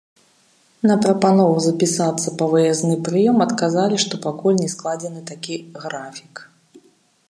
На прапанову запісацца па выязны прыём адказалі, што пакуль не складзены такі графік.